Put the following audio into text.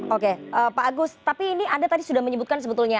oke pak agus tapi ini anda tadi sudah menyebutkan sebetulnya